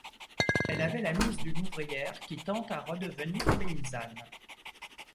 Elle avait la mise d’une ouvrière qui tend à redevenir paysanne.